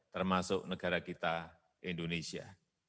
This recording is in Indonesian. termasuk negara kita indonesia